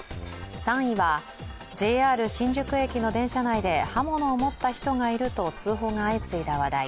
３位は、ＪＲ新宿駅の電車内で刃物を持った人がいると通報が相次いだ話題。